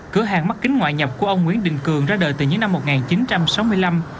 cửa hàng mắt kính ngoại nhập của ông nguyễn đình cường ra đời từ những năm một nghìn chín trăm sáu mươi năm